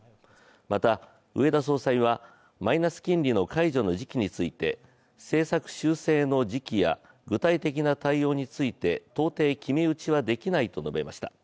また、植田総裁はマイナス金利の解除の時期について政策修正の時期や具体的な対応について到底決め打ちはできないと述べました。